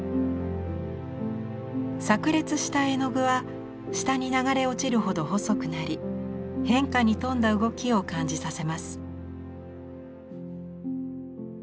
さく裂した絵の具は下に流れ落ちるほど細くなり変化に富んだ動きを感じさせます。